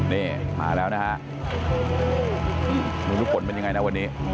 นี่มาแล้วนะฮะมึงทุกคนเป็นยังไงนะวันนี้